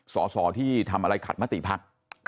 สอสอที่ทำอะไรขัดมติพรรค